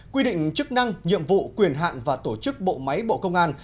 quy định chức năng nhiệm vụ quyền hạn và tổ chức bộ máy bộ công an